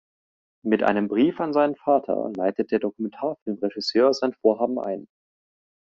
Mit einem Brief an seinen Vater leitet der Dokumentarfilmregisseur sein Vorhaben ein.